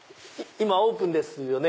今オープンですよね？